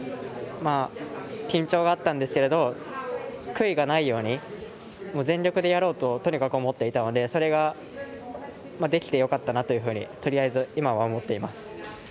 緊張があったんですけれども悔いがないように全力でやろうととにかく思っていたのでそれができてよかったなというふうにとりあえず、今は思っています。